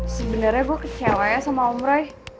sebenernya gue kecewa ya sama om roy